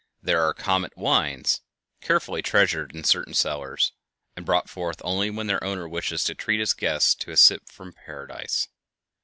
There are "comet wines," carefully treasured in certain cellars, and brought forth only when their owner wishes to treat his guests to a sip from paradise.